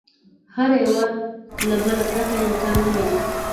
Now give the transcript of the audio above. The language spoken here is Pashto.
هر یوه له بله پرته امکان نه لري.